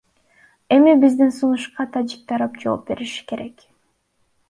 Эми биздин сунушка тажик тарап жооп бериши керек.